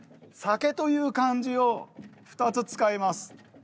「酒」という漢字を２つ使います。